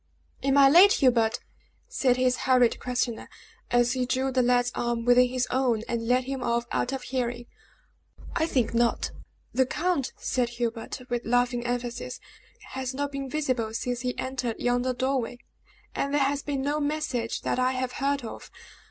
"Am I late Hubert?" said his hurried questioner, as he drew the lad's arm within his own, and led him off out of hearing. "I think not. The count," said Hubert, with laughing emphasis, "has not been visible since he entered yonder doorway, and there has been no message that I have heard of.